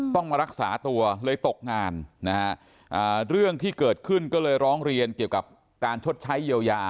ต้องมารักษาตัวเลยตกงานนะฮะเรื่องที่เกิดขึ้นก็เลยร้องเรียนเกี่ยวกับการชดใช้เยียวยา